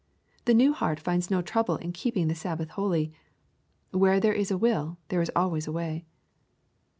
The new heart finds no trouble in keeping the Sabbath holy. Where there is a will there is always a way.